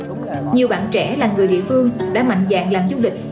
những người dân trẻ là người địa phương đã mạnh dạng làm du lịch